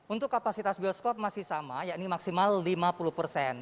untuk kapasitas bioskop masih sama yakni maksimal lima puluh persen